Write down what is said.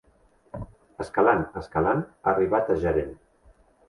Escalant, escalant, ha arribat a gerent.